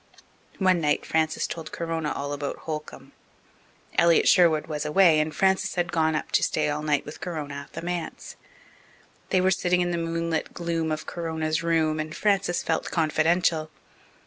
One night Frances told Corona all about Holcomb. Elliott Sherwood was away, and Frances had gone up to stay all night with Corona at the manse. They were sitting in the moonlit gloom of Corona's room, and Frances felt confidential.